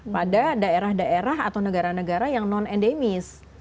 pada daerah daerah atau negara negara yang non endemis